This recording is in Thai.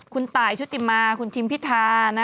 คุณตายชุติมาเค้าเหดียมาคุณทิมพิทาร